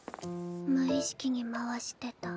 無意識に回してた。